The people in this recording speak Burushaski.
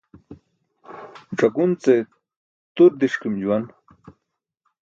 Ẓakun ce tur diṣkim juwan.